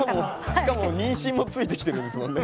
しかも妊娠もついてきてるんですもんね。